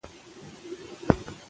که تاوان مو وکړ بیا هڅه وکړئ.